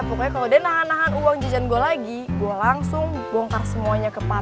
pokoknya kalau dia nahan nahan uang jajan gue lagi gue langsung bongkar semuanya kepala